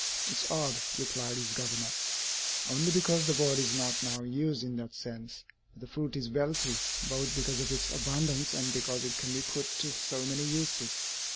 "It is odd," replied his governess, "only because the word is not now used in that sense; but the fruit is wealthy both because of its abundance and because it can be put to so many uses.